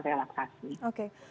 jadi kita harus melakukan